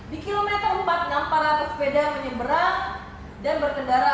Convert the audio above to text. di kilometer empat puluh enam para pesepeda menyeberang dan berkendara